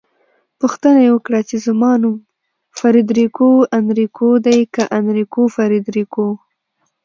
پوښتنه يې وکړه چې زما نوم فریدریکو انریکو دی که انریکو فریدریکو؟